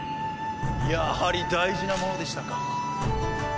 やはり大事なものでしたか。